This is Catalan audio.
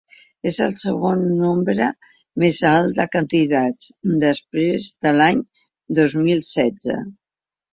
És el segon nombre més alt de candidats, després de l’any dos mil setze.